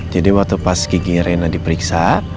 jadi waktu pas giginya rena diperiksa